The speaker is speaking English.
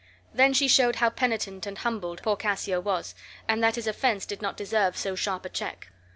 Then she showed how penitent and humbled poor Cassio was, and that his offense did not deserve so sharp a check.